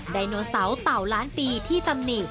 ไดโนเสาร์เต่าล้านปีที่ตำหนิ